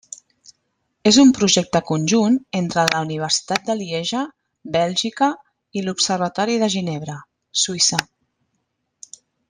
És un projecte conjunt entre la Universitat de Lieja, Bèlgica, i l'Observatori de Ginebra, Suïssa.